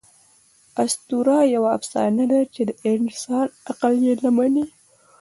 آسطوره یوه افسانه ده، چي د انسان عقل ئې نه مني.